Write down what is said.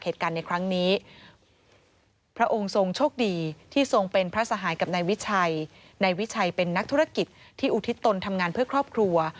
ที่ทรงเป็นพระสหายกับนายวิชัยนายวิชัยเป็นนักธุรกิจที่อุทิศตนทำงานเพื่อครอบครัว